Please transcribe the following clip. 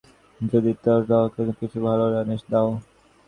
যদি পার তবে তাহাকে কিছু ভাল জিনিষ দাও।